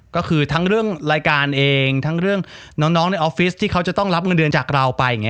ก็คือทั้งเรื่องรายการเองทั้งเรื่องน้องในออฟฟิศที่เขาจะต้องรับเงินเดือนจากเราไปอย่างนี้